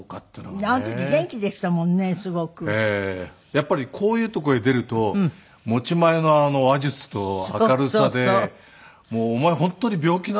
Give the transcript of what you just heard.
やっぱりこういうとこへ出ると持ち前の話術と明るさでお前本当に病気なの？